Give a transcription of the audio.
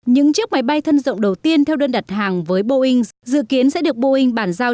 những chiếc máy bay thân rộng đầu tiên theo đơn đặt hàng với boeing dự kiến sẽ được boeing bản giao